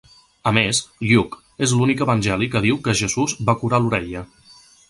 A més, Lluc és l'únic evangeli que diu que Jesús va curar l'orella.